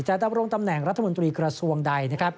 ดำรงตำแหน่งรัฐมนตรีกระทรวงใด